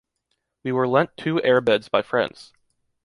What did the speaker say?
We were lent two air-beds by friends.